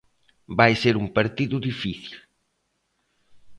Vai ser un partido difícil.